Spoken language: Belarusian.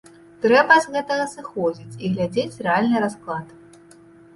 Трэба з гэтага сыходзіць і глядзець рэальны расклад.